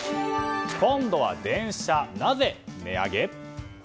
今度は電車なぜ値上げ？